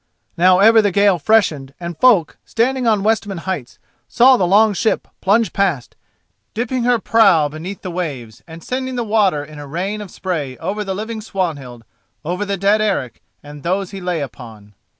Now ever the gale freshened and folk, standing on Westman Heights, saw the long ship plunge past, dipping her prow beneath the waves and sending the water in a rain of spray over the living Swanhild, over the dead Eric and those he lay upon.